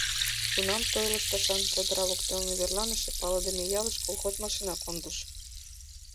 Тунам той лышташан чодыра воктене верланыше палыдыме ялыш колхоз машина кондыш.